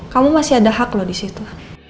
kamu masih ada hak loh disitu